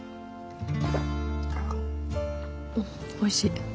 おいしい？